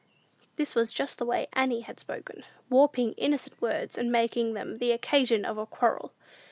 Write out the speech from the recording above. This was just the way Annie had spoken; warping innocent words, and making them the occasion of a quarrel.